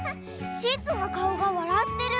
シーツのかおがわらってる！